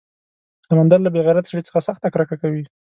سمندر له بې غیرته سړي څخه سخته کرکه کوي.